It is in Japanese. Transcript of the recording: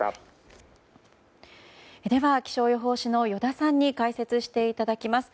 では、気象予報士の依田さんに解説していただきます。